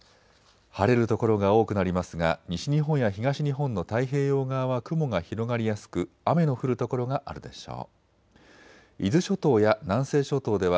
晴れる所が多くなりますが西日本や東日本の太平洋側は雲が広がりやすく雨の降る所があるでしょう。